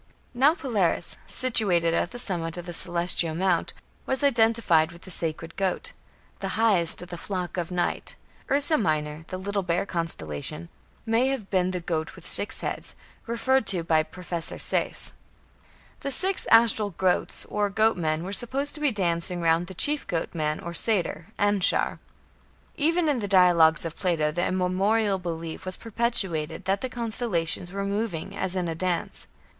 Now Polaris, situated at the summit of the celestial mountain, was identified with the sacred goat, "the highest of the flock of night". Ursa Minor (the "Little Bear" constellation) may have been "the goat with six heads", referred to by Professor Sayce. The six astral goats or goat men were supposed to be dancing round the chief goat man or Satyr (Anshar). Even in the dialogues of Plato the immemorial belief was perpetuated that the constellations were "moving as in a dance".